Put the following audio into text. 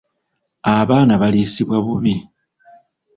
Abaana baliisibwa bubi.